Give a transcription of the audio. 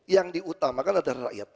yang diutamakan adalah rakyat